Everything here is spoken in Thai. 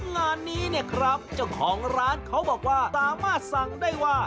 งานนี้เนี่ยครับเจ้าของร้านเขาบอกว่าสามารถสั่งได้ว่า